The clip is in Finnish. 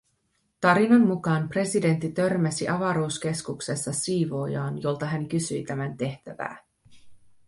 Tarinan mukaan presidentti törmäsi avaruuskeskuksessa siivoojaan, jolta hän kysyi tämän tehtävää.